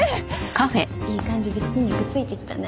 いい感じで筋肉ついてきたね。